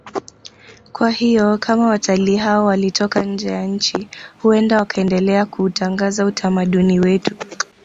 Kwa hiyo kama watalii hao walitoka nje ya nchi huenda wakaendelea kuutangaza utamaduni wetu